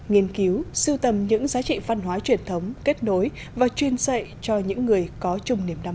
nghiên cứu sưu tầm những giá trị văn hóa truyền thống kết nối và chuyên dạy cho những người có chung niềm đam mê